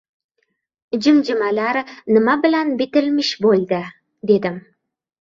Jimjimalar nima bilan bitilmish bo‘ldi, dedim.